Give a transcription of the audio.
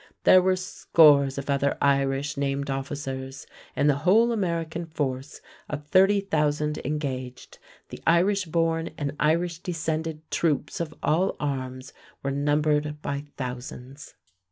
There were scores of other Irish named officers. In the whole American force of 30,000 engaged, the Irish born and Irish descended troops of all arms were numbered by thousands.